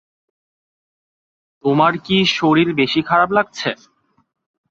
তোমার কী শরীর বেশি খারাপ লাগছে?